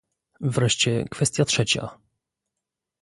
Wreszcie kwestia trzecia